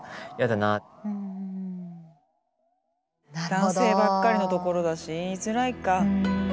男性ばっかりのところだし言いづらいか。